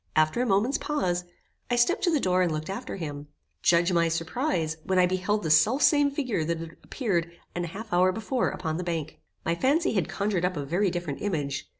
After a moment's pause, I stepped to the door and looked after him. Judge my surprize, when I beheld the self same figure that had appeared an half hour before upon the bank. My fancy had conjured up a very different image.